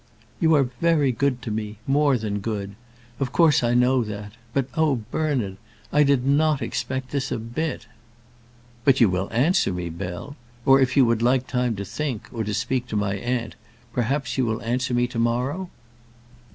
"You are very good to me more than good. Of course I know that. But, oh, Bernard! I did not expect this a bit." "But you will answer me, Bell! Or if you would like time to think, or to speak to my aunt, perhaps you will answer me to morrow?"